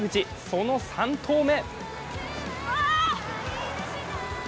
その３投目。